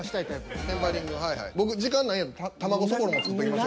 僕時間ないんやったら卵そぼろも作っときましょか。